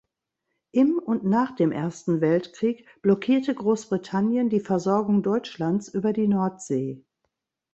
Im und nach dem Ersten Weltkrieg blockierte Großbritannien die Versorgung Deutschlands über die Nordsee.